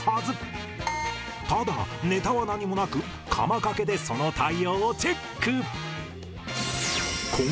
ただネタは何もなくカマ掛けでその対応をチェック